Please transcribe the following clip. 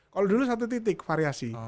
kalau dulu satu titik variasi